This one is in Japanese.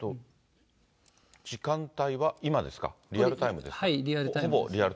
時間帯は今ですか、リアルタイムですか。